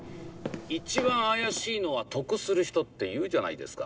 一番怪しいのは得する人っていうじゃないですか。